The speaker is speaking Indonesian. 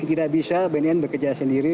tidak bisa bnn bekerja sendiri